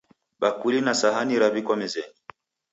Bakuli na sahani raw'ikwa mezenyi